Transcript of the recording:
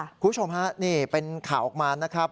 คุณผู้ชมฮะนี่เป็นข่าวออกมานะครับ